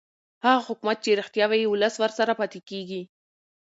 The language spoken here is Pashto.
هغه حکومت چې رښتیا وايي ولس ورسره پاتې کېږي